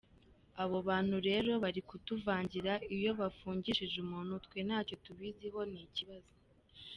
Abo bantu rero bari kutuvangira, iyo bafungishije umuntu twe ntacyo tubiziho ni ikibazo”.